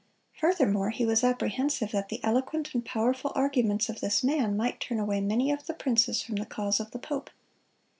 Furthermore, he was apprehensive that the eloquent and powerful arguments of this man might turn away many of the princes from the cause of the pope.